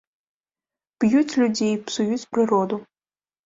Б'юць людзей, псуюць прыроду.